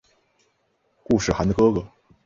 固始汗的哥哥。